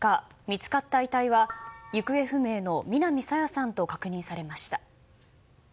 見つかった遺体は行方不明の南朝芽さんと確認されました。